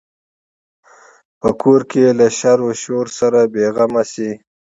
په کور کې یې له شر و شوره بې غمه شي.